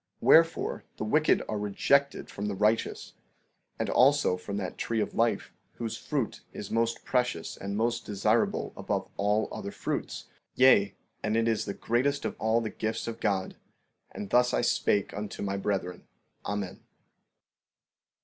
15:36 Wherefore, the wicked are rejected from the righteous, and also from that tree of life, whose fruit is most precious and most desirable above all other fruits; yea, and it is the greatest of all the gifts of God. And thus I spake unto my brethren. Amen.